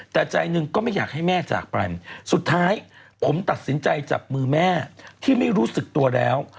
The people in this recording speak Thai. แต่ใจหนึ่งก็ไม่อยากให้แม่จากไปสุดท้ายผมตัดสินใจจับมือแม่ที่ไม่รู้สึกตัวแล้ว